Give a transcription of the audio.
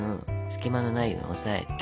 隙間のないように押さえて。